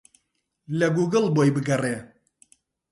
لە گووگڵ بۆی بگەڕێ.